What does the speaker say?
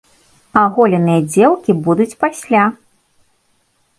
Аголеныя дзеўкі будуць пасля!